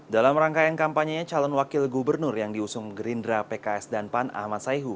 dalam rangkaian kampanye calon wakil gubernur yang diusung gerindra pks dan pan ahmad saihu